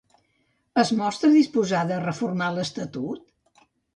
Es mostra disposada a reformar l'estatut?